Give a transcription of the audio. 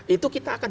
itu kita akan